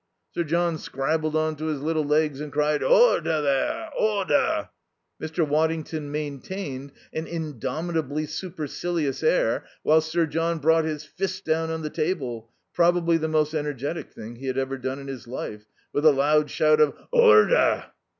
Sir John scrabbled on to his little legs and cried: "Ordah, there! Ordah!" Mr. Waddington maintained an indomitably supercilious air while Sir John brought his fist down on the table (probably the most energetic thing he had ever done in his life), with a loud shout of "Ordah!"